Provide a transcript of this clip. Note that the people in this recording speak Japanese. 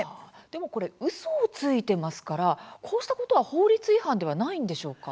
でも、これうそをついていますからこうしたことは法律違反ではないんでしょうか。